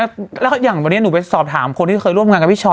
แล้วอย่างวันนี้หนูไปสอบถามคนที่เคยร่วมงานกับพี่ชอ